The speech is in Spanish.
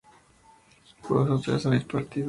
vosotras habéis partido